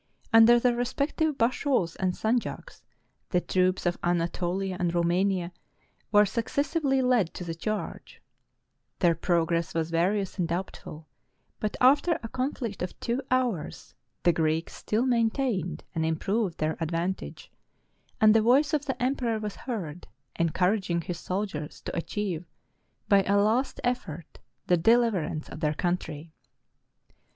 Under their respective bashaws and sanjaks, the troops of Anatolia and Romania were successively led to the charge: their progress was various and doubtful; but, after a conflict of two hours, the Greeks still main tained and improved their advantage; and the voice of the emperor was heard, encouraging his soldiers to achieve, by a last effort, the deliverance of their country.